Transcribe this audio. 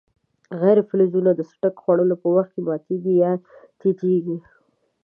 غیر فلزونه د څټک خوړلو په وخت کې ماتیږي یا تیتیږي.